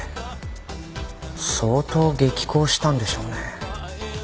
相当激高したんでしょうね。